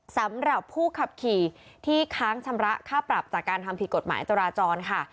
สำหรับผู้ขับขี่ที่ค้างชำระค่าปรับจากการทำผิดกฎหมายจราจรค่ะ